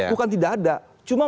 bukan tidak ada ya